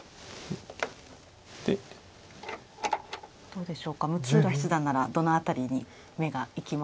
どうでしょうか六浦七段ならどの辺りに目がいきますか？